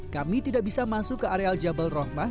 kami tidak bisa masuk ke areal jabal rohmah